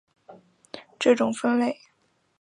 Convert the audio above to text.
这种分类传统至今仍被沿用。